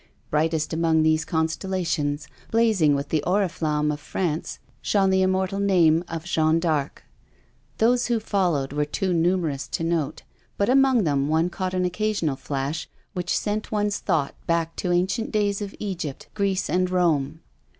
Brightest among these constellations, blazing with the orifiamme of France, shone the immor tal name of Jeanne d'Arc. Those who followed were too numerous to note, but among them one caught an occasional flash which sent one's thought back to an cient days of Egypt, Greece and Rome.